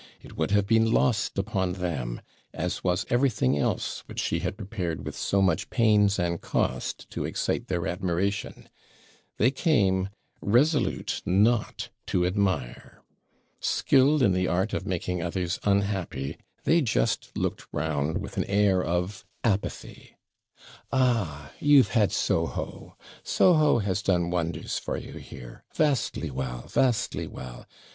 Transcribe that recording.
It would have been lost upon them, as was everything else which she had prepared with so much pains and cost to excite their admiration, They came resolute not to admire. Skilled in the art of making others unhappy, they just looked round with an air of apathy. 'Ah! you've had Soho! Soho has done wonders for you here! Vastly well! Vastly well!